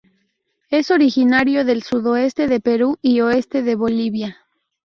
Es originario del sudoeste de Perú y oeste de Bolivia.